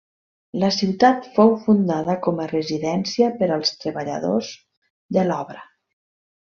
La ciutat fou fundada com a residència per als treballadors de l'obra.